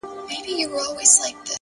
روښانه نیت روښانه پایله راوړي.